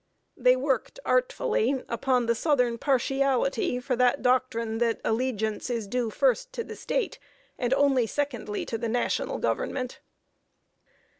They worked artfully upon the southern partiality for the doctrine that allegiance is due first to the State, and only secondly to the National Government.